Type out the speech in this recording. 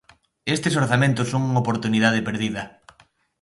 Estes orzamentos son unha oportunidade perdida.